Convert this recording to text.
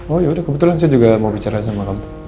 oh yaudah kebetulan saya juga mau bicara sama kamu